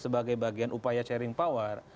sebagai bagian upaya sharing power